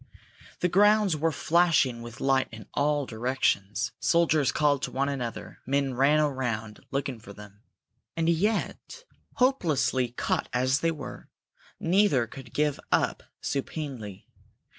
The grounds were flashing with light in all directions; soldiers called to one another; men ran all around, looking for them. And yet, hopelessly caught as they were, neither could give up supinely.